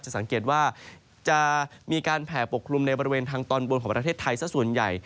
สังเกตว่าจะมีการแผ่ปกคลุมในบริเวณทางตอนบนของประเทศไทยสักส่วนใหญ่